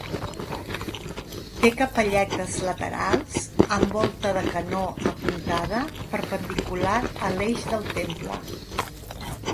Té capelletes laterals amb volta de canó apuntada perpendicular a l'eix del temple.